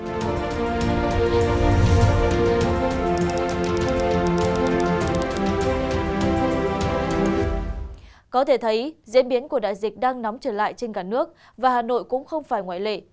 có thể thấy diễn biến của đại dịch đang nóng trở lại trên cả nước và hà nội cũng không phải ngoại lệ